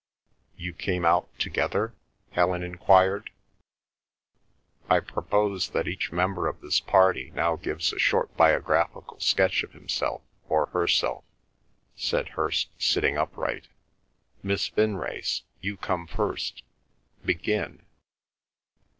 "You came out together?" Helen enquired. "I propose that each member of this party now gives a short biographical sketch of himself or herself," said Hirst, sitting upright. "Miss Vinrace, you come first; begin."